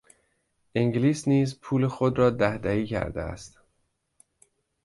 انگلیس نیز پول خود را دهدهی کرده است.